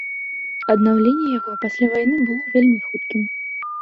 Аднаўленне яго пасля вайны было вельмі хуткім.